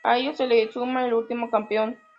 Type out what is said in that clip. A ellos se les suma el último campeón.